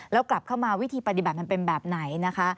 แล้วกลับเข้ามาวิธีปฏิบัติมันเป็นแบบไหนนะคะ